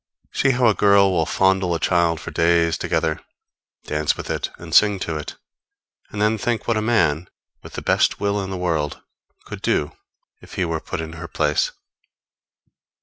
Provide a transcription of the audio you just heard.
See how a girl will fondle a child for days together, dance with it and sing to it; and then think what a man, with the best will in the world, could do if he were put in her place.